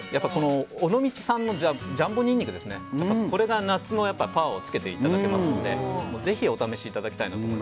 尾道産のジャンボニンニクが夏のパワーをつけていただけますのでぜひお試しいただきたいなと。